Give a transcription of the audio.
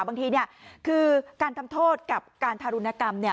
บางทีคือการทำโทษกับการทารุณกรรม